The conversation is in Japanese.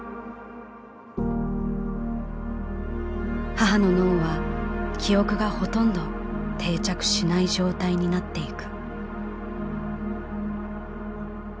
「母の脳は記憶がほとんど定着しない状態になっていく」。